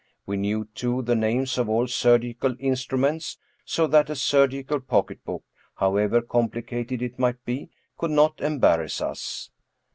We knew, too, the names of all surgical instruments, so that a sur gical pocketbook, however complicated it might be, could not embarrass us.